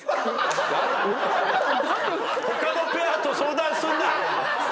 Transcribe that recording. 他のペアと相談すんな！